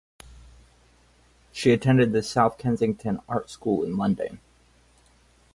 She attended the South Kensington Art School in London.